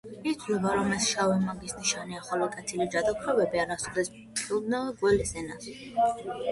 ითვლება, რომ ეს შავი მაგის ნიშანია, ხოლო კეთილი ჯადოქრები არასოდეს ფლობდნენ გველის ენას.